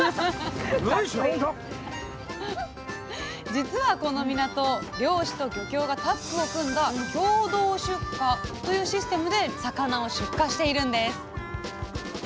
実はこの港漁師と漁協がタッグを組んだ「共同出荷」というシステムで魚を出荷しているんです。